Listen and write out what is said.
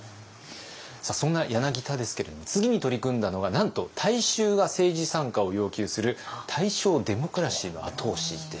そんな柳田ですけれども次に取り組んだのはなんと大衆が政治参加を要求する大正デモクラシーの後押しでした。